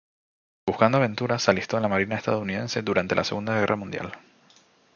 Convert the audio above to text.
Buscando aventuras se alistó en la marina estadounidense durante la Segunda Guerra Mundial.